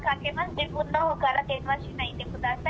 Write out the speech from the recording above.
自分のほうから電話しないでください。